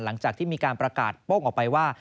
หลังจากที่มีการประกาศโป้งออกไปว่า